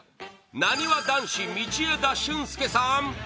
なにわ男子、道枝駿佑さん